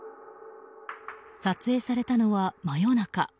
撮影されたのは真夜中。